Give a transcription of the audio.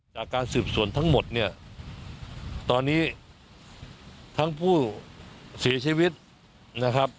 จากการสืบสวนทั้งหมดเนี่ยตอนนี้ทั้งผู้เสียชีวิตนะครับ